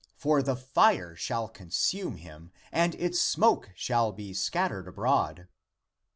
For the fire shall consume him, and its smoke shall be scattered abroad."